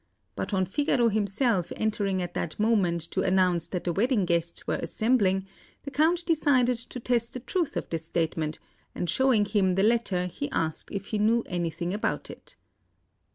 But on Figaro himself entering at that moment to announce that the wedding guests were assembling, the Count decided to test the truth of this statement, and showing him the letter, he asked if he knew anything about it.